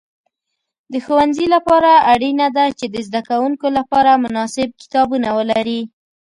د ښوونځي لپاره اړینه ده چې د زده کوونکو لپاره مناسب کتابونه ولري.